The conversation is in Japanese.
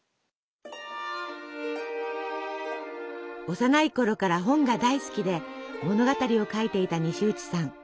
幼いころから本が大好きで物語を書いていた西内さん。